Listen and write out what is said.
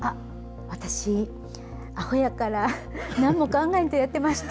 私、あほやから、なんも考えんとやってました。